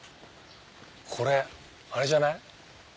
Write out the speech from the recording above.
これあれじゃない？